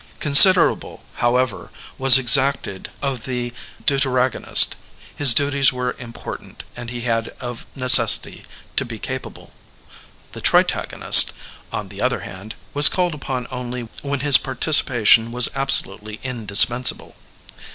Considerable, however, was exacted of the deu teragonist; his duties were important and he had of necessity to be capable. The tritagonist, on the other hand, was called upon only when his partici pation was absolutely indispensable.